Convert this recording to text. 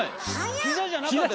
膝じゃなかった！